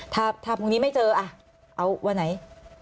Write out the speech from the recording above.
ถ้าพรุ่งนี้ไม่เจอเอาวันไหน